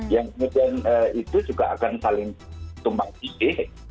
yang kemudian itu juga akan saling tumbang tumbang